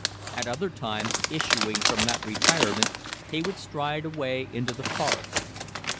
At other times, issuing from that retirement, he would stride away into the forest.